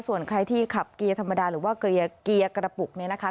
ส่วนใครที่ขับเกียร์ธรรมดาหรือว่าเกลียร์เกียร์กระปุกเนี่ยนะคะ